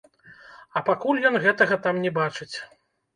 А пакуль ён гэтага там не бачыць.